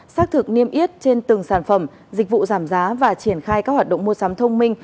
xác thực niêm yết trên từng sản phẩm dịch vụ giảm giá và triển khai các hoạt động mua sắm thông minh